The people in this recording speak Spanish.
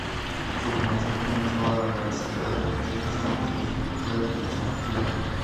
Su formación comenzó en la "Universidad de Texas", donde se especializó en Kinesiología.